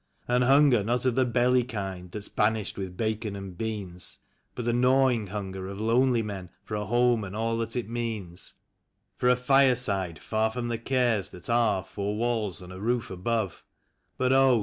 And liunger not of the belly kind, that's banished with bacon and beans; But the gnawing hunger of lonely men for a home and all that it means; For a fireside far from the cares that are, four walls and a roof above; But oh